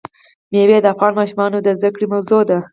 مېوې د افغان ماشومانو د زده کړې موضوع ده.